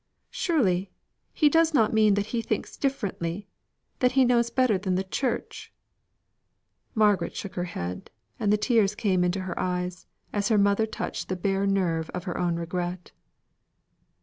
"Surely, he does not mean that he thinks differently that he knows better than the Church." Margaret shook her head, and the tears came into her eyes, as her mother touched the bare nerve of her own regret.